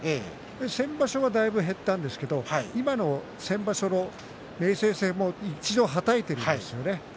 先場所はだいぶ増えたんですけれど今の先場所の明生戦も一度はたいていますよね。